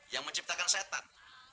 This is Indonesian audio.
yang menciptakan setan